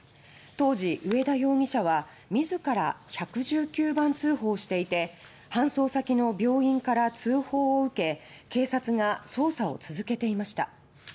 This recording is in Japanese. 当時、上田容疑者は自ら１１９番通報していて搬送先の病院から通報を受け警察が捜査を続けていました。